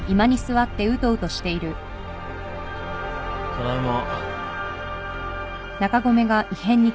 ただいま。